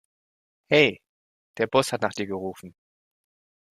Hey, der Boss hat nach dir gerufen.